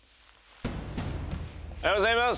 おはようございます。